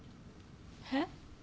えっ？